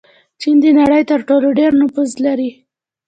چین د نړۍ تر ټولو ډېر نفوس لري.